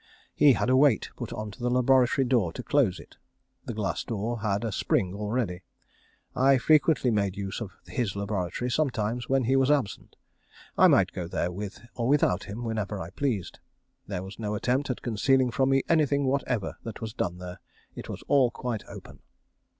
He had a weight put on to the laboratory door to close it. The glass door had a spring already. I frequently made use of his laboratory: sometimes when he was absent. I might go there with or without him, whenever I pleased. There was no attempt at concealing from me anything whatever that was done there. It was all quite open.